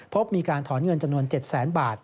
พบมีการถอนเงินจำนวน๗แสนบาท